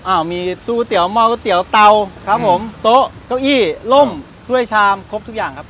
อ้าวมีตู้เตี๋ยหม้อก๋วยเตี๋ยวเตาครับผมโต๊ะเก้าอี้ล่มถ้วยชามครบทุกอย่างครับ